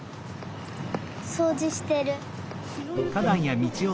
そうじしてる。